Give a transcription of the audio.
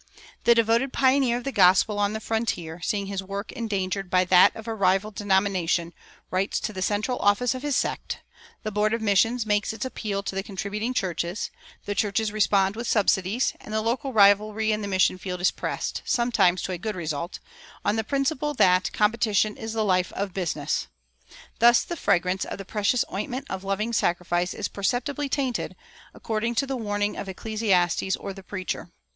The devoted pioneer of the gospel on the frontier, seeing his work endangered by that of a rival denomination, writes to the central office of his sect; the board of missions makes its appeal to the contributing churches; the churches respond with subsidies; and the local rivalry in the mission field is pressed, sometimes to a good result, on the principle that "competition is the life of business." Thus the fragrance of the precious ointment of loving sacrifice is perceptibly tainted, according to the warning of Ecclesiastes or the Preacher.